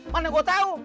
mana gua tau